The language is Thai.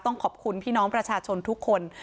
ต้องขอบคุณพี่น้องประชาชนทุกคน